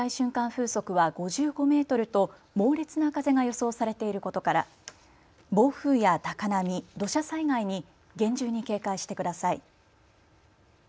風速は５５メートルと猛烈な風が予想されていることから暴風や高波、土砂災害に厳重に警戒してください。